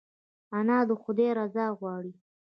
انا د خدای رضا غواړي